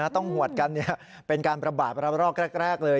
ต้องหวัดกันเป็นการระบาดแรกเลย